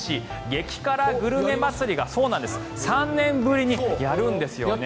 激辛グルメ祭りが３年ぶりにやるんですよね。